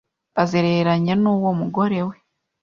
asezeranye n’uwo mugore we.